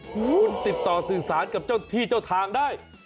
คุณติดต่อสื่อสารกับเจ้าที่เจ้าทางได้